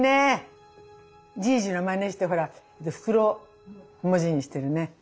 じいじのまねしてほら袋文字にしてるね。